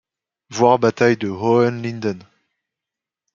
Voir Bataille de Hohenlinden.